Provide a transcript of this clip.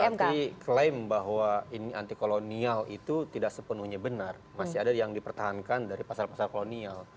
tetapi klaim bahwa ini anti kolonial itu tidak sepenuhnya benar masih ada yang dipertahankan dari pasal pasal kolonial